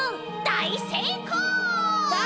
だいせいこう！